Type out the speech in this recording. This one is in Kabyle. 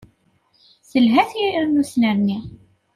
Telha tira i usnerni.